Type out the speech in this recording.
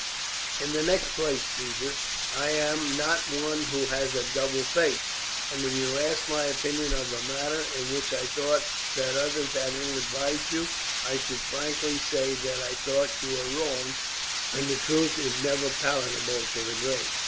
"In the next place, Caesar, I am not one who has a double face, and if you ask my opinion of a matter in which I thought that others had ill advised you, I should frankly say that I thought you were wrong; and the truth is never palatable to the great.